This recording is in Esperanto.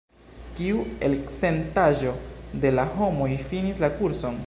Kiu elcentaĵo de la homoj finis la kurson?